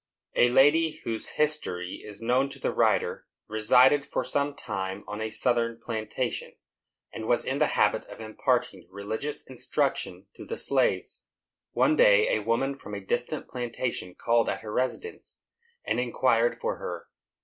A lady whose history is known to the writer resided for some time on a Southern plantation, and was in the habit of imparting religious instruction to the slaves. One day, a woman from a distant plantation called at her residence, and inquired for her.